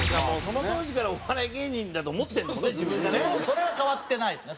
それは変わってないですね